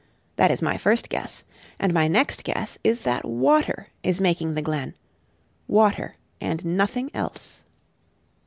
That is my first guess; and my next guess is that water is making the glen water, and nothing else.